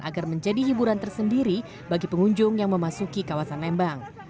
agar menjadi hiburan tersendiri bagi pengunjung yang memasuki kawasan lembang